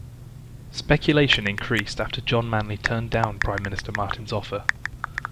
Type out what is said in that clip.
Speculation increased after John Manley turned down Prime Minister Martin's offer.